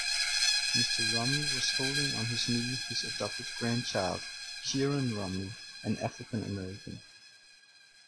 Mr. Romney was holding on his knee his adopted grandchild, Kieran Romney, an African-American.